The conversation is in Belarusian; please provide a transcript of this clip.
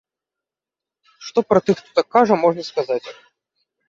Што пра тых, хто так кажа, можна сказаць?